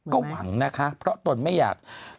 ก็หวังนะคะเพราะตนไม่อยาก